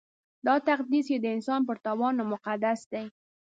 دا تقدس یې د انسان پر تاوان نامقدس دی.